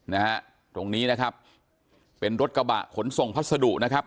นะฮะตรงนี้นะครับเป็นรถกระบะขนส่งพัสดุนะครับ